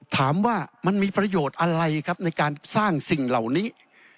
ถามว่ามันมีประโยชน์อะไรครับในการสร้างสิ่งเหล่านี้